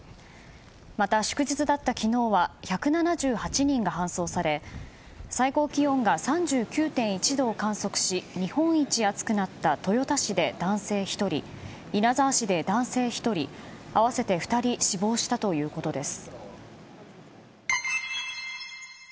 また、祝日だった昨日は１７８人が搬送され最高気温が３９．１度を観測し日本一暑くなった豊田市で男性１人稲沢市で男性１人、合わせて２人死亡したということです。